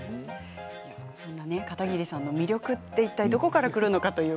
そんな片桐さんの魅力はいったいどこからくるのか